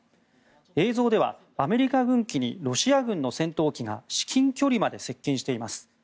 映像ではアメリカ軍機にロシア軍の戦闘機が至近距離まで接近しています。